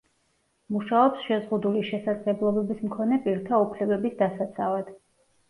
მუშაობს შეზღუდული შესაძლებლობის მქონე პირთა უფლებების დასაცავად.